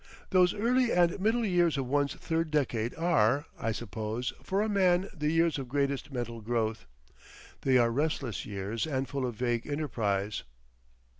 Those early and middle years of one's third decade are, I suppose, for a man the years of greatest mental growth. They are restless years and full of vague enterprise.